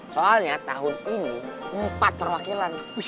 soalnya tahun ini empat perwakilan